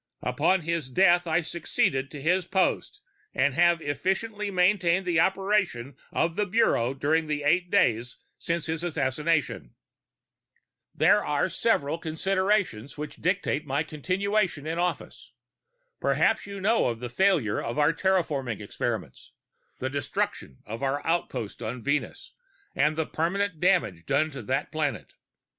Upon his death I succeeded to his post and have efficiently maintained the operation of the Bureau during the eight days since his assassination. "There are special circumstances which dictate my continuation in office. Perhaps you know of the failure of our terraforming experiments the destruction of our outpost on Venus, and the permanent damage done to that planet.